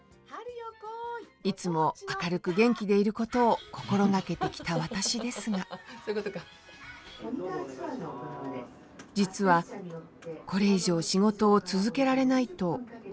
いつも明るく元気でいることを心がけてきた私ですが実はこれ以上仕事を続けられないと思い詰めた時期があります